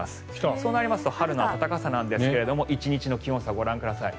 そうなりますと春の暖かさなんですが１日の気温差、ご覧ください。